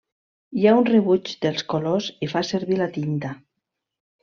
Hi ha un rebuig dels colors i fa servir la tinta.